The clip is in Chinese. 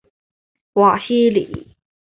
瓦西利。